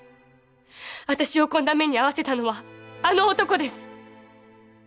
私をこんな目に遭わせたのはあの男です。